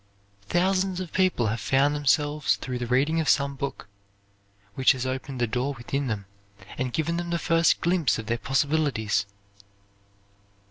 Thousands of people have found themselves through the reading of some book, which has opened the door within them and given them the first glimpse of their possibilities.